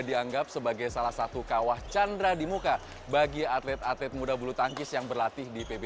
dianggap sebagai salah satu kawah chandra di muka bagi atlet atlet muda bulu tangkis yang berlatih di pbb